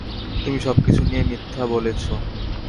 তুমি সব কিছু নিয়ে মিথ্যা বলেছ।